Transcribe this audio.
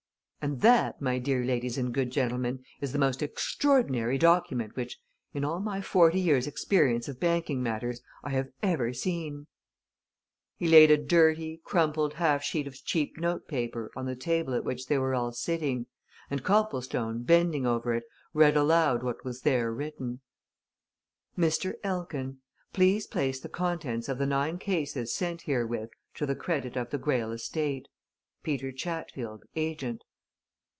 And that, my dear ladies and good gentlemen, is the most extraordinary document which, in all my forty years' experience of banking matters, I have ever seen!" He laid a dirty, crumpled half sheet of cheap note paper on the table at which they were all sitting, and Copplestone, bending over it, read aloud what was there written. "MR. ELKIN Please place the contents of the nine cases sent herewith to the credit of the Greyle Estate. "PETER CHATFIELD, Agent."